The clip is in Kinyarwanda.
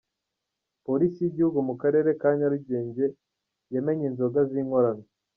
Polisi y’igihugu mu karere ka nyarugenge yamenye inzoga z’inkorano.